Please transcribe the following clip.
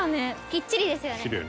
きっちりですよね。